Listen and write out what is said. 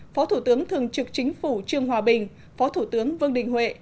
phó thủ tướng thường trực chính phủ trương hòa bình phó thủ tướng vương đình huệ